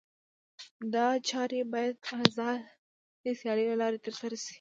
دا چارې باید د آزادې سیالۍ له لارې ترسره شي.